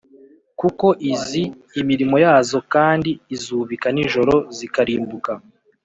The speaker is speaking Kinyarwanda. kuko izi imirimo yazo, kandi izubika nijoro zikarimbuka